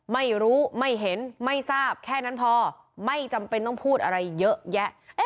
ไม่รู้ไม่เห็นไม่ทราบแค่นั้นพอไม่จำเป็นต้องพูดอะไรเยอะแยะ